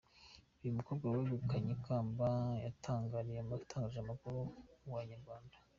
Uyu mukobwa wegukanye ikamba yatangarije umunyamakuru wa Inyarwanda.